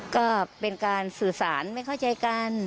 ก็เป็นการสื่อสารไม่เข้าใจกัน